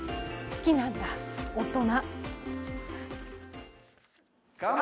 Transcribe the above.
好きなんだ大人。